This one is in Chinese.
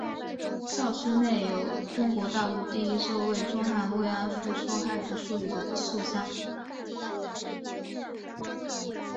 校区内有中国大陆第一座为中韩慰安妇受害者树立的塑像。